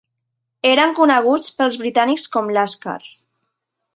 Eren coneguts pels britànics com "lascars".